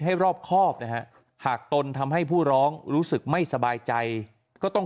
รอบครอบนะฮะหากตนทำให้ผู้ร้องรู้สึกไม่สบายใจก็ต้อง